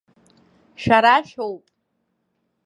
Шәара шәоуп.